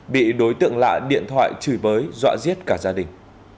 bị đối tượng lạ điện thoại chửi bới dọa giết cả gia đình